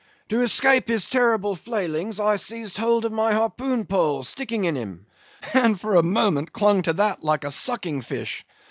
To escape his terrible flailings, I seized hold of my harpoon pole sticking in him, and for a moment clung to that like a sucking fish.